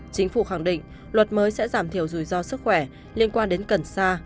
chính phủ khẳng định luật mới sẽ giảm thiểu rủi ro sức khỏe liên quan đến cần sa